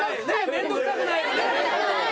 面倒くさくない。